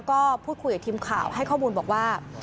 ก็พูดคุยกับทีมข่าวให้ข้อมูลบอกว่า